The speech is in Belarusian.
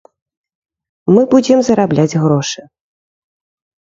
Мы будзем зарабляць грошы.